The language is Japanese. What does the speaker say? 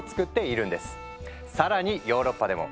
ヨーロッパでも。